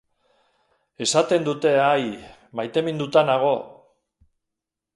Esaten dute Ai, maiteminduta nago!